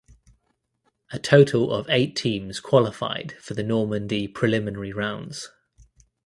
A total of eight teams qualified from the Normandy preliminary rounds.